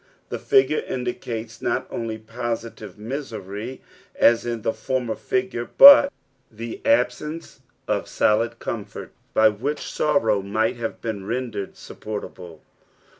The figure indicates not only positive misery as in the former fl^re, but the absence of solid comfort b? which sorrow might have been render^ BUpportnble.